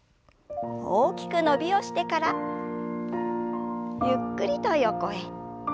大きく伸びをしてからゆっくりと横へ。